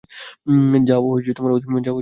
যাও, ওদের বাঁচাও।